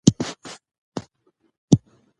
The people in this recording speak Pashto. تنوع د افغانانو د فرهنګي پیژندنې برخه ده.